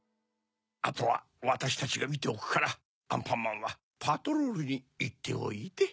あとはわたしたちがみておくからアンパンマンはパトロールにいっておいで。